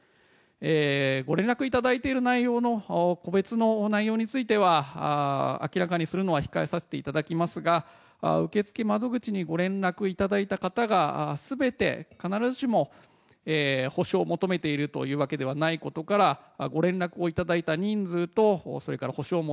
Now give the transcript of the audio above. ご連絡いただいている内容の個別の内容については明らかにするのは控えさせていただきますが受付窓口にご連絡いただいた方が全て必ずしも補償を求めているというわけではないことから女性）